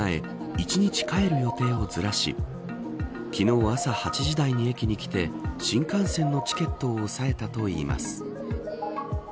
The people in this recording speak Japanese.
１日帰る予定をずらし昨日は朝８時台に駅に来て新幹線のチケットを押さえたといいます。